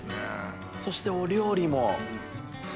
そしてお料理も。